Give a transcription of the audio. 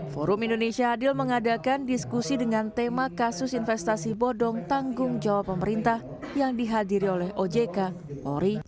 forum indonesia adil mengadakan diskusi dengan tema kasus investasi bodong tanggung jawab pemerintah yang dihadiri oleh ojk polri